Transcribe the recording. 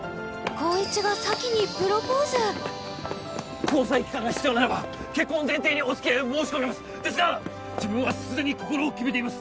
えっ？交際期間が必要ならば結婚を前提におつきあいを申し込みますですが自分はすでに心を決めています